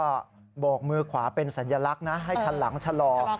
ก็บอกมือขวาเป็นสัญลักษณ์นะให้คันหลังชะลอชะลอก่อน